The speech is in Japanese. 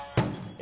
え